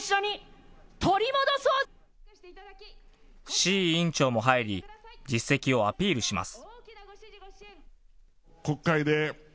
志位委員長も入り、実績をアピールします。